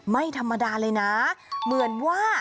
หรืออ่ะ